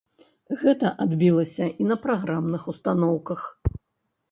Гэта адбілася і на праграмных устаноўках.